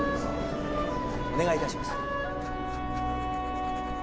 お願い致します。